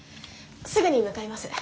すぐに向かいます。